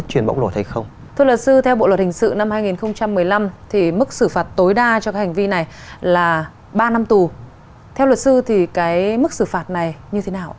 theo luật sư thì mức xử phạt này như thế nào